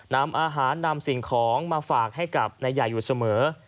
นำอาหารนำสิ่งของมาฝากให้กับนายใหญ่อยู่เสมอ